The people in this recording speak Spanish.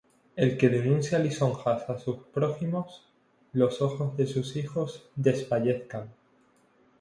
El que denuncia lisonjas á sus prójimos, Los ojos de sus hijos desfallezcan.